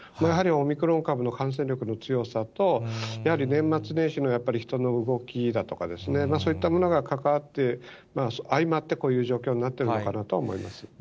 やはりオミクロン株の感染力の強さと、やはり年末年始のやっぱり人の動きだとか、そういったものがかかわって、相まって、こういう状況になっているのかなとは思います。